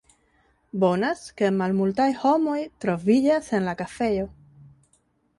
Bonas ke malmultaj homoj troviĝas en la kafejo.